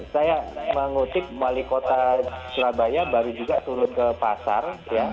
saya mengutip wali kota surabaya baru juga turun ke pasar